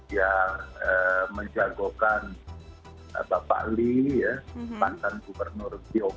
yang menjagokan pak lee ya bahkan gubernur